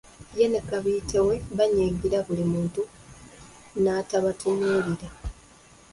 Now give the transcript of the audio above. Ye ne Kabiite we bayingira buli muntu n'abatunuulira!